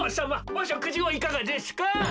おしょくじをいかがですか？